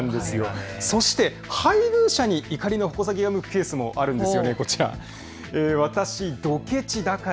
そして配偶者に怒りの矛先が向くケースもあるんです。